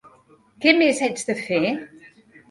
Què més haig de fer?